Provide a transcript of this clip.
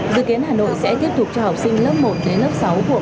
dự kiến hà nội sẽ tiếp tục cho học sinh lớp một đến lớp sáu của